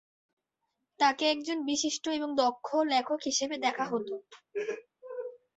তাকে একজন বিশিষ্ট এবং দক্ষ লেখক হিসাবে দেখা হত।